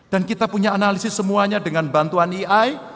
dan kita punya analisis semuanya dengan bantuan iai